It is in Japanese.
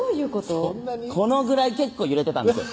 このぐらい結構揺れてたんですよ